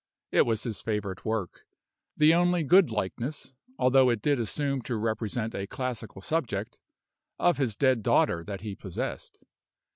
It was his favorite work the only good likeness (although it did assume to represent a classical subject) of his dead daughter that he possessed.